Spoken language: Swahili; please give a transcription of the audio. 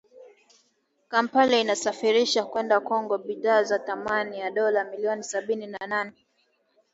Kampala inasafirisha kwenda Congo bidhaa za thamani ya dola milioni sabini na nne